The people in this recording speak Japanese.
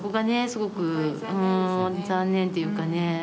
すごく残念っていうかね